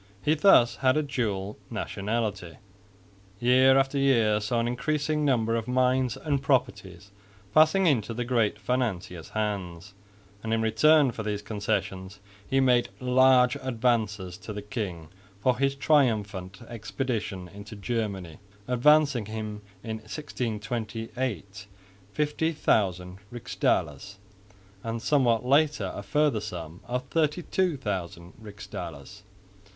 He thus had a dual nationality. Year after year saw an increasing number of mines and properties passing into the great financier's hands, and in return for these concessions he made large advances to the king for his triumphant expedition into Germany; advancing him in 1628 50,000 rixdalers, and somewhat later a further sum of 32,000 rixdalers.